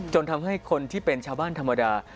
จนทำให้คนที่เป็นชาวบ้านธรรมดา